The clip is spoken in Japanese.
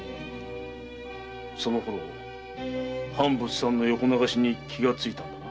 そのころ藩物産の横流しに気がついたのだな。